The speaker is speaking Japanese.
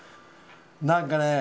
何かね